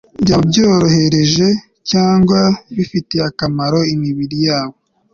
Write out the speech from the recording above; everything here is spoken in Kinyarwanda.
byaba byoroheje cyangwa bifitiye akamaro imibiri yabo